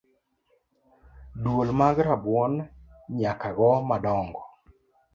Duol mag rabuon nyakago madongo.